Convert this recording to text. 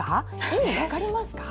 意味分かりますか？